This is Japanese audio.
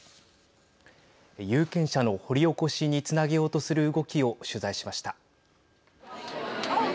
有権者の掘り起こしにつなげようとする動きを取材しました。